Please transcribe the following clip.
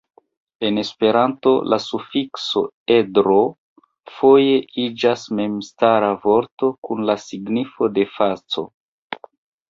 En Esperanto, la sufikso "edro" foje iĝas memstara vorto kun la signifo de faco.